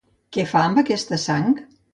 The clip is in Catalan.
Què fa amb aquesta sang?